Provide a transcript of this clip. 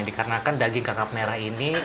dikarenakan daging kakap merah ini